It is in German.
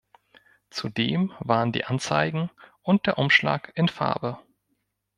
Zudem waren die Anzeigen und der Umschlag in Farbe.